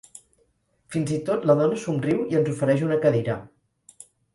Fins i tot la dona somriu i ens ofereix una cadira.